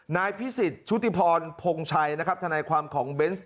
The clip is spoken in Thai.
นายพิสิทธิ์ชุติพรพงศัยทนาความของเบนส์